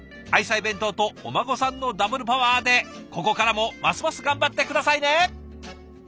愛妻弁当とお孫さんのダブルパワーでここからもますます頑張って下さいね！